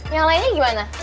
yang lainnya gimana